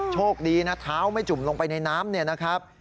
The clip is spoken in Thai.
โชคดีนะเท้าไม่จุ่มลงไปในน้ำเนี่ยนะครับ